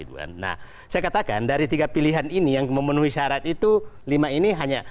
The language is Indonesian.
nah saya katakan dari tiga pilihan ini yang memenuhi syarat itu lima ini hanya